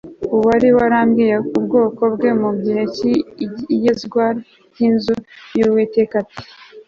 uwari warabwiye ubwoko bwe mu gihe cy'iyezwa ry'inzu y'uwiteka ati